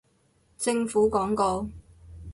政府廣告